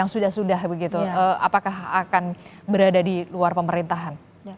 yang sudah sudah gitu apakah akan berada diluar pemerintahan